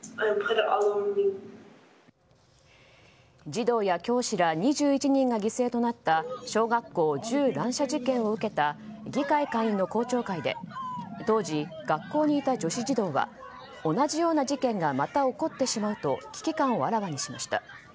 児童や教師ら２１人が犠牲となった小学校銃乱射事件を受けた議会下院の公聴会で当時、学校にいた女子児童は同じような事件がまた起こってしまうと危機感をあらわにしました。